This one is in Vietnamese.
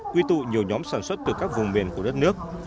quy tụ nhiều nhóm sản xuất từ các vùng miền của đất nước